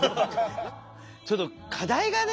ちょっと課題がね